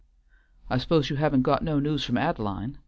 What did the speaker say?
"I suppose you haven't got no news from Ad'line?"